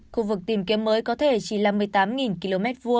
khu vực tìm kiếm mới có thể chỉ là một mươi tám km hai